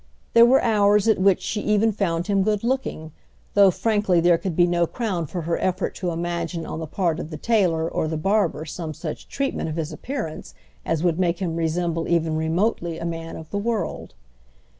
There were hours at which she even found him good looking, though, frankly there could be no crown for her effort to imagine on the part of the tailor or the barber some such treatment of his appearance as would make him resemble even remotely a man of the world.